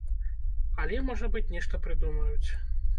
Але, можа быць, нешта прыдумаюць.